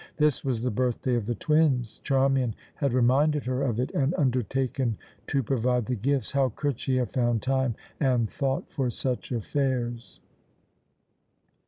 This was the birthday of the twins; Charmian had reminded her of it and undertaken to provide the gifts. How could she have found time and thought for such affairs?